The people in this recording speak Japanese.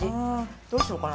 どうしようかな。